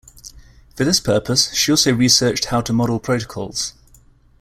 For this purpose, she also researched how to model protocols.